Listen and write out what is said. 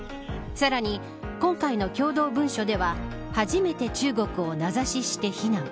さらに、今回の共同文書では初めて中国を名指しして非難。